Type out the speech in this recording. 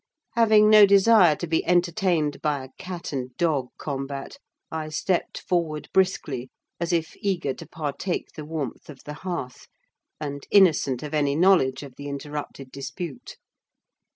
Having no desire to be entertained by a cat and dog combat, I stepped forward briskly, as if eager to partake the warmth of the hearth, and innocent of any knowledge of the interrupted dispute.